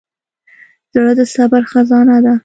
زړه د صبر خزانه ده.